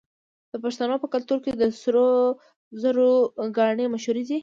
د پښتنو په کلتور کې د سرو زرو ګاڼې مشهورې دي.